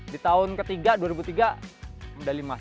di tahun ke tiga dua ribu tiga medali emas